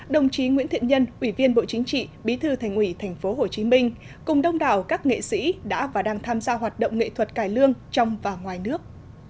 đồng chí nguyễn thiện nhân ủy viên bộ chính trị bí thư thành ủy tp hcm cùng đông đảo các nghệ sĩ đã và đang tham gia hoạt động nghệ thuật cải lương trong và ngoài nước